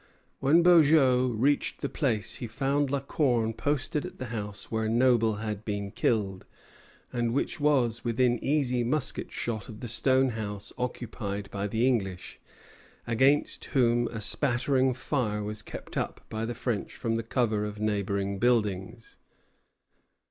When Beaujeu reached the place he found La Corne posted at the house where Noble had been killed, and which was within easy musket shot of the stone house occupied by the English, against whom a spattering fire was kept up by the French from the cover of neighboring buildings.